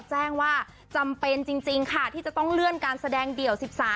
แจ้งว่าจำเป็นจริงค่ะที่จะต้องเลื่อนการแสดงเดี่ยว๑๓